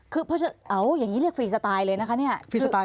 คือเพราะฉะนั้นเอาอย่างนี้เรียกฟรีสไตล์เลยนะคะเนี่ย